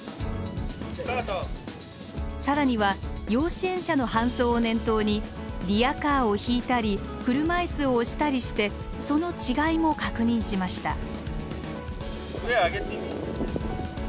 更には要支援者の搬送を念頭にリヤカーを引いたり車椅子を押したりしてその違いも確認しました。